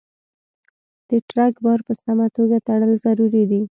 د ټرک بار په سمه توګه تړل ضروري دي.